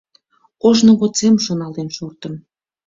Ожно годсем шоналтен шортым.